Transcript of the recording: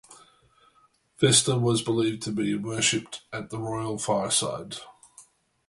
Vesta was believed to be worshiped at the royal fireside.